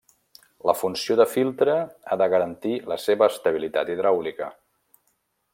La funció de filtre ha de garantir la seva estabilitat hidràulica.